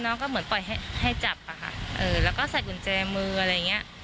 น้องก็เหมือนปล่อยให้จับแล้วก็ใส่กุญแจมืออะไรอย่างนี้